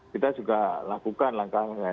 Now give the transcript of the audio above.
kita juga lakukan langkah